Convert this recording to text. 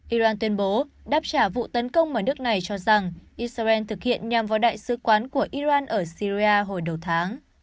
iran tuyên bố đáp trả vụ tấn công mà nước này cho rằng israel thực hiện nhằm vào đại sứ quán của iran ở syria hồi đầu tháng